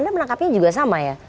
anda menangkapnya juga sama ya